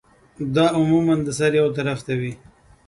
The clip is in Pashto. دا عموماً د سر يو طرف ته وی